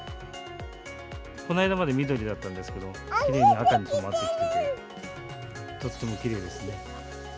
この間まで緑だったんですけれども、きれいに赤に染まってきてて、とってもきれいですね。